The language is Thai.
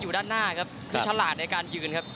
อยู่ด้านหน้าครับคือฉลาดในการยืนครับ